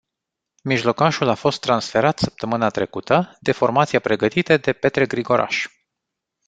Mijlocașul a fost transferat săptămâna trecută, de formația pregătită de Petre Grigoraș.